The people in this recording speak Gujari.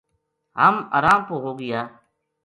ہم ارام پو ہو گیا